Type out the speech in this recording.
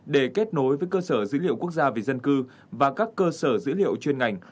để kết nối với cơ sở dữ liệu quốc gia về dân cư và các cơ sở dữ liệu chuyên ngành